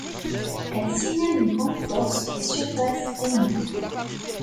Elle signale une grande force de surface ennemie.